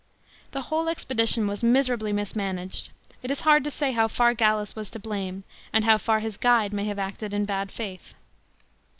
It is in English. The whole expedition was miserably mismanaged ; it is hard to say how far Gallus was to blame and how far his guide may have acted in bad faith.